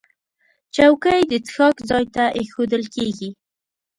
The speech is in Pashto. چوکۍ د څښاک ځای ته ایښودل کېږي.